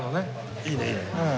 いいねいいね。